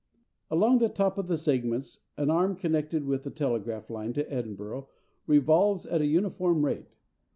Along the top of the segments an arm, connected with the telegraph line to Edinburgh, revolves at a uniform rate.